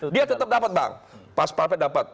dia tetap dapat bang pas palpet dapat